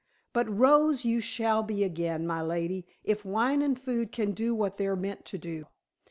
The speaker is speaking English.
But rose you shall be again, my lady, if wine and food can do what they're meant to do.